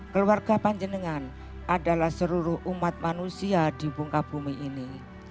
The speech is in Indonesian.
keluarga panjenengan adalah seluruh umat manusia di bunga bumi ini